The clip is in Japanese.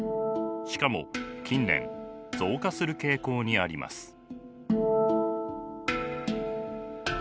しかも近年増加する傾向にあります。